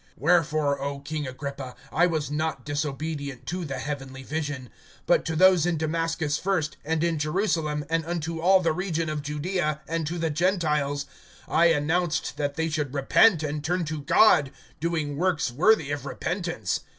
(19)Wherefore, O king Agrippa, I was not disobedient to the heavenly vision; (20)but to those in Damascus first, and in Jerusalem, and unto all the region of Judaea, and to the Gentiles, I announced that they should repent and turn to God, doing works worthy of repentance.